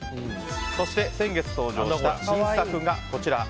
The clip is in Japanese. そして、先月登場した新作がこちら。